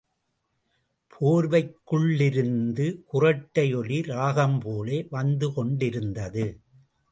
போர்வைக்குள்ளிருந்து குறட்டை ஒலி, ராகம் போல வந்து கொண்டிருந்தது.